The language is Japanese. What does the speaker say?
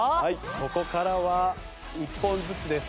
ここからは１本ずつです。